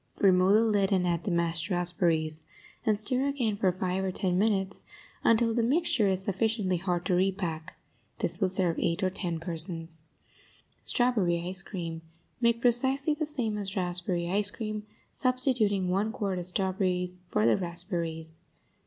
Remove the lid and add the mashed raspberries, and stir again for five or ten minutes until the mixture is sufficiently hard to repack. This will serve eight or ten persons. STRAWBERRY ICE CREAM Make precisely the same as raspberry ice cream, substituting one quart of strawberries for the raspberries.